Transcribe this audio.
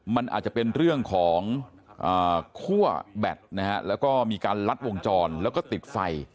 มันอาจจะเป็นเรื่องของคั่วแบตนะฮะแล้วก็มีการลัดวงจรแล้วก็ติดไฟ